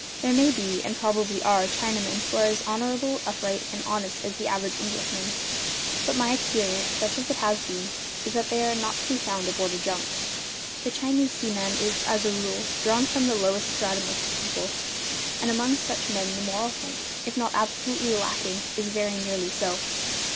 There may be, and probably are, Chinamen who are as honourable, upright, and honest as the average Englishman, but my experience, such as it has been, is that they are not to be found aboard a junk. The Chinese seaman is, as a rule, drawn from the lowest stratum of his people, and among such men the moral sense, if not absolutely lacking, is very nearly so.